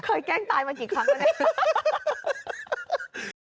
แกล้งตายมากี่ครั้งแล้วเนี่ย